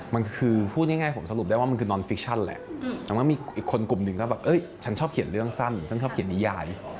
มันคือพูดง่ายผมสรุปได้ว่ามันคือนอนฟิกชั่นแหละแต่ว่ามีอีกคนกลุ่มหนึ่งก็แบบฉันชอบเขียนเรื่องสั้นฉันชอบเขียนนิยาย